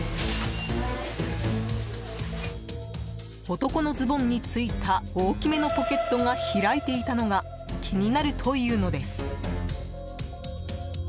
男のズボンについた大きめのポケットが開いていたのが気になるというのです。